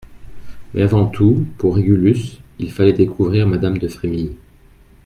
Mais, avant tout, pour Régulus, il fallait découvrir madame de Frémilly.